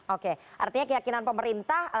oke artinya keyakinan pemerintah